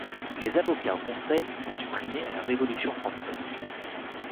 Les avocats au conseils sont supprimés à la Révolution française.